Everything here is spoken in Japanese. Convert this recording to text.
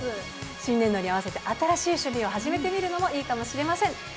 新年度に合わせて新しい趣味を始めてみるのもいいかもしれません。